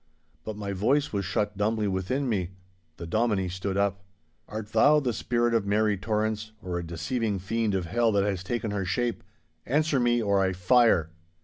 But my voice was shut dumbly within me. The Dominie stood up. 'Art thou the spirit of Mary Torrance, or a deceiving fiend of hell that has taken her shape? Answer me, or I fire!